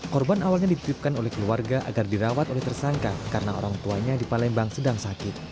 korban awalnya dititipkan oleh keluarga agar dirawat oleh tersangka karena orang tuanya di palembang sedang sakit